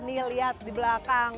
nih lihat di belakang